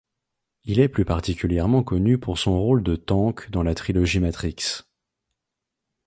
Il est plus particulièrement connu pour son rôle de Tank dans la trilogie Matrix.